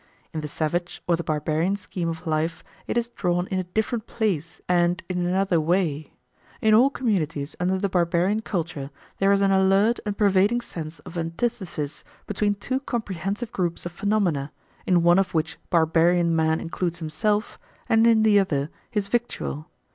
In the savage or the barbarian scheme of life it is drawn in a different place and in another way. In all communities under the barbarian culture there is an alert and pervading sense of antithesis between two comprehensive groups of phenomena, in one of which barbarian man includes himself, and in the other, his victual.